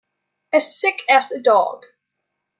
As sick as a dog.